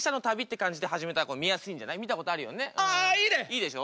いいでしょ？